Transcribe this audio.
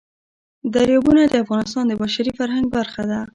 دریابونه د افغانستان د بشري فرهنګ برخه ده.